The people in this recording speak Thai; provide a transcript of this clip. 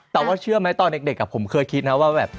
แต่ว่าเชื่อไหมตอนเด็กผมเคยคิดนะว่าแบบ